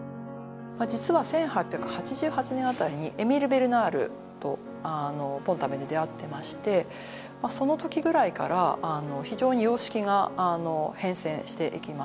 実は１８８８年あたりにエミール・ベルナールとポン＝タヴェンで出会ってましてその時ぐらいから非常に様式が変遷していきます